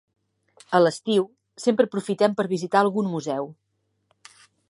A l'estiu sempre aprofitem per visitar algun museu.